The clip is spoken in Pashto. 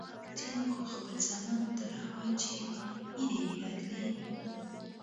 ځينو خو خپل زامن تر هغو چې ږيرې يې راتلې.